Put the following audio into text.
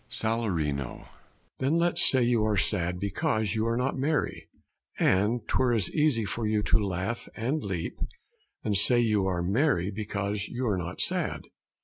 Salar. Then let's say you are sad Because you are not merry: and 'twere as easy For you to laugh and leap, and say you are merry, Because you are not sad.